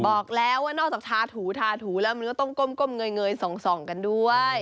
บอกแล้วว่านอกจากทาถูทาถูแล้วมันก็ต้องก้มเงยส่องกันด้วย